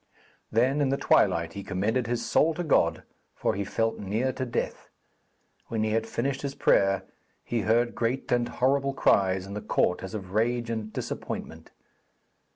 Then in the twilight he commended his soul to God, for he felt near to death. When he had finished his prayer, he heard great and horrible cries in the court as of rage and disappointment.